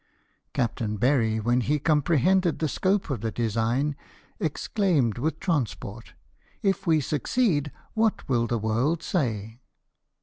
Captain Berry, when he comprehended the scope of the design, exclaimed with transport, " If we succeed, what will the world say